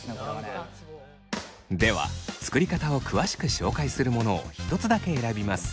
では作り方を詳しく紹介するものを１つだけ選びます。